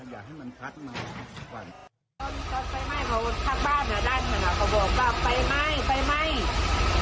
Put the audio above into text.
ยายอยู่ข้างบนยายยินไปข้างบน